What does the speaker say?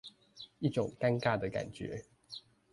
一種尷尬的感覺